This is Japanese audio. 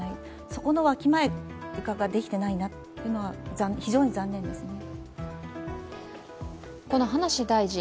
そこのわきまえができていないなというのは非常に残念ですね。